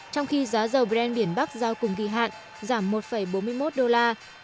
trong khi giá dầu brent biển bắc giao cùng kỳ hạn giảm một bốn mươi một đô la